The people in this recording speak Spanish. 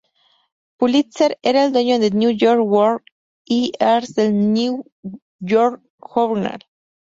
Pulitzer era el dueño del New York World y Hearst del New York Journal.